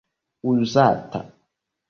uzata